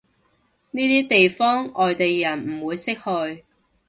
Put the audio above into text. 呢啲地方外地人唔會識去